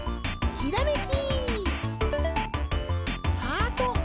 ひらめき！